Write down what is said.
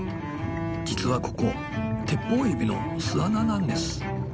実はここテッポウエビの巣穴なんです。